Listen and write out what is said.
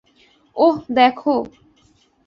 ওহ, দেখো।